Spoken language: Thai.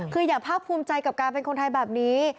คืออย่าภาคภูมิใจกับการเป็นคนไทยแบบนี้